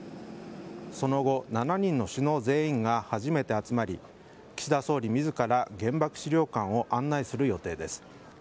その後、７人の首脳全員が初めて集まり岸田総理自ら原爆資料館を案内する予定です。